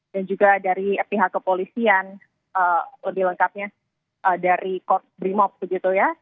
dan juga dari pihak kepolisian lebih lengkapnya dari kod brimob begitu ya